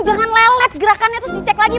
jangan lelet gerakannya terus dicek lagi